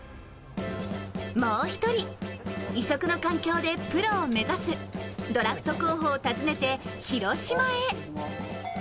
もう一人、異色の環境でプロを目指す、ドラフト候補を訪ねて広島へ。